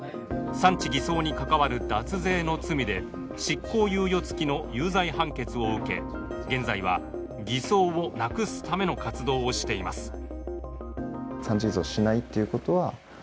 産地偽装に関わる脱税の罪で執行猶予付きの有罪判決を受け現在は、偽装をなくすための活動をしています。